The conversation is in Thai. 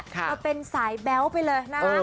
มาเป็นสายแบ๊วไปเลยนะฮะ